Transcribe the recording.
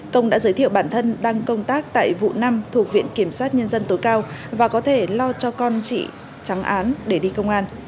công đã giới thiệu bản thân đang công tác tại vụ năm thuộc viện kiểm sát nhân dân tối cao và có thể lo cho con chị trắng án để đi công an